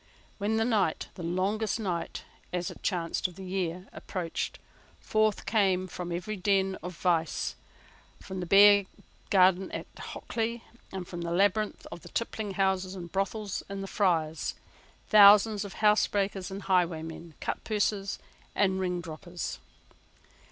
When the night, the longest night, as it chanced, of the year, approached, forth came from every den of vice, from the bear garden at Hockley, and from the labyrinth of tippling houses and brothels in the Friars, thousands of housebreakers and highwaymen, cutpurses and ringdroppers.